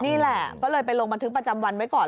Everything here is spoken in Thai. นี่แหละก็เลยไปลงบันทึกประจำวันไว้ก่อน